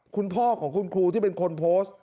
คุณพ่อของคุณครูที่เป็นคนโพสต์